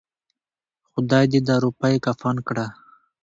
خداى دې دا روپۍ کفن کړه.